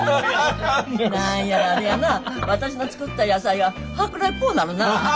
何やらあれやな私の作った野菜が舶来っぽうなるな。